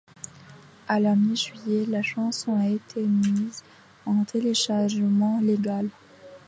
À la mi-juillet, la chanson a été mise en téléchargement légal.